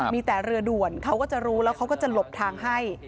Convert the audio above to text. มีแต่เรือด่วนเขาก็จะรู้แล้วเขาก็จะหลบทางให้